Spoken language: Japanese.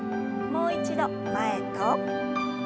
もう一度前と。